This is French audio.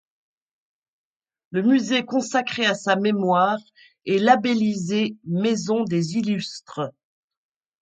Le musée consacré à sa mémoire est labellisé Maisons des Illustres.